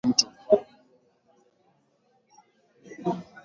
kwa sababu hubeba maji mengi kuliko Mto